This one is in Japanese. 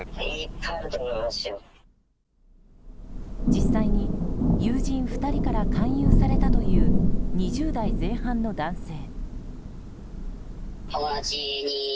実際に友人２人から勧誘されたという２０代前半の男性。